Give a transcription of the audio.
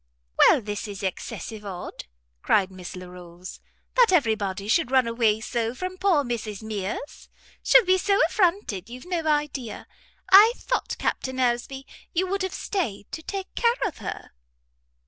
"Well, this is excessive odd,", cried Miss Larolles, "that every body should run away so from poor Mrs Mears; she'll be so affronted you've no idea. I thought, Captain Aresby, you would have stayed to take care of her."